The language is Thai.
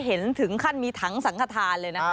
เห็นถึงขั้นมีถังสังขทานเลยนะคะ